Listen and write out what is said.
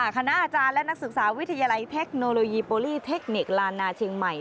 คณะอาจารย์และนักศึกษาวิทยาลัยเทคโนโลยีโปรลี่เทคนิคลานนาเชียงใหม่